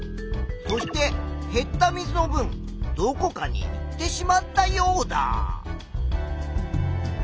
そして減った水のぶんどこかにいってしまったヨウダ。